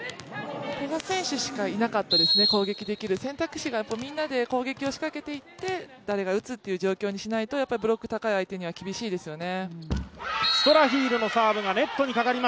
古賀選手しかいなかったですね、選択肢がみんなで攻撃を仕掛けていって、誰が打つという状況にしないと、ブロックが高い相手には厳しいですよね。